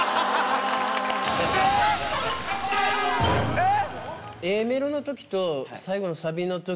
えっ！？